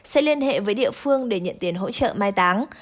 sẽ liên hệ với địa phương để nhận tiền hỗ trợ mai táng